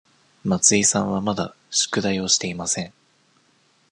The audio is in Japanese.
松井さんはまだ宿題をしていません。